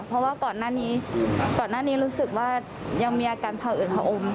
เพราะว่าก่อนหน้านี้รู้สึกว่ายังมีอาการผ่าอืดหอม